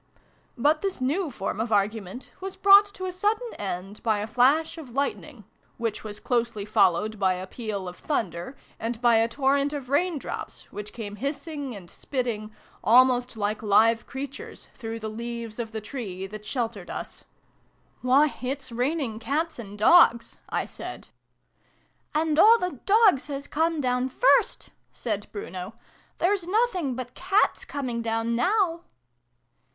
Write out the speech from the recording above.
But this new form of argument was brought to a sudden end by a flash of lightning, which c i8 SYLVIE AND BRUNO CONCLUDED. was closely followed by a peal of thunder, and by a torrent of rain drops, which came hissing and spitting, almost like live creatures, through the leaves of the tree that sheltered us. " Why, it's raining cats and dogs !" I said. "And all the dogs has come down first" said Bruno :" there's nothing but cats coming down now